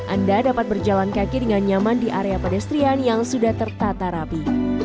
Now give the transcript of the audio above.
anda dapat berjalan kaki dengan nyaman di area pedestrian yang sudah tertata rapi